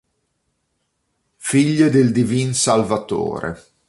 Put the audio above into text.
Figlie del Divin Salvatore